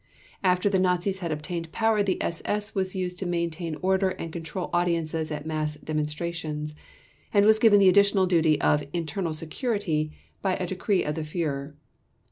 After the Nazis had obtained power the SS was used to maintain order and control audiences at mass demonstrations and was given the additional duty of "internal security" by a decree of the Führer.